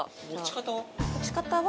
持ち方は？